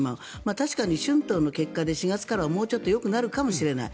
確かに春闘の結果で４月からはもうちょっとよくなるかもしれない。